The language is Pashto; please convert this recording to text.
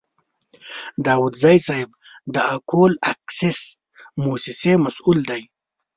داودزی صیب د اکول اکسیس موسسې مسوول دی.